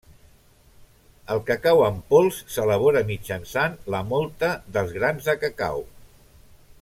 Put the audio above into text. El cacau en pols s'elabora mitjançant la mòlta dels grans de cacau.